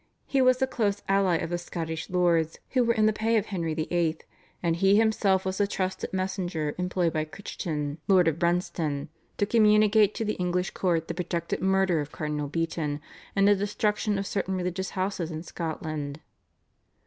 He was the close ally of the Scottish lords who were in the pay of Henry VIII., and he himself was the trusted messenger employed by Crichton, Lord of Brunston, to communicate to the English court the projected murder of Cardinal Beaton and the destruction of certain religious houses in Scotland.